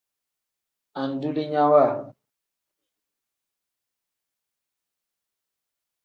Andulinyawa.